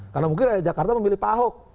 karena mungkin raya jakarta memilih pak ahok